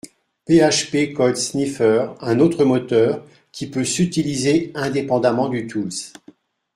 PHP Code Sniffer un autre moteur, qui peut s’utiliser indépendement du Tools.